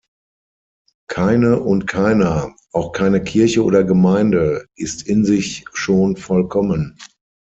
Keine und keiner, auch keine Kirche oder Gemeinde, ist in sich schon vollkommen.